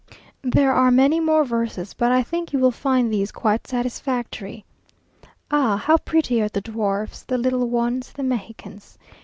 There are many more verses, but I think you will find these quite satisfactory, "Ah! how pretty are the dwarfs, the little ones, the Mexicans!